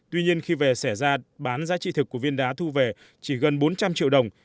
tuy nhiên khi về xẻ ra bán giá trị thực của viên đá thu về chỉ gần bốn trăm linh triệu đồng